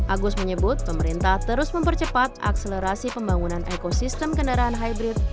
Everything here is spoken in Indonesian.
agus menyebut pemerintah terus mempercepat akselerasi pembangunan ekosistem kendaraan hybrid